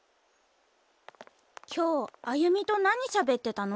今日亜由美と何しゃべってたの？